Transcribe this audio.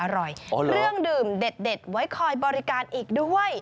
เครื่องดื่มเด็ดไว้คอยบริการอีกด้วย